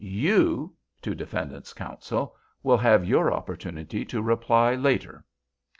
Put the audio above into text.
You" (to defendant's counsel) "will have your opportunity to reply later."